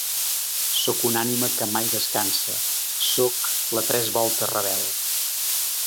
Sóc una ànima que mai descansa, sóc la tres voltes rebel.